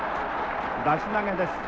出し投げです。